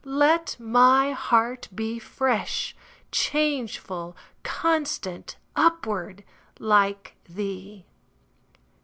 Let my heart be Fresh, changeful, constant, Upward, like thee!